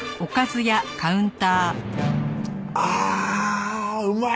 ああうまい！